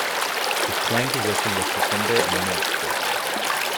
His playing position was defender and midfielder.